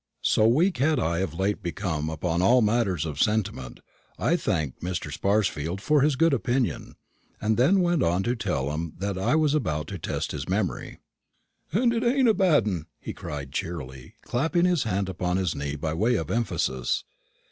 So weak had I of late become upon all matters of sentiment, I thanked Mr. Sparsfield for his good opinion, and then went on to tell him that I was about to test his memory. "And it ain't a bad un," he cried, cheerily, clapping his hand upon his knee by way of emphasis.